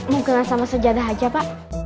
mau kena sama sajadah aja pak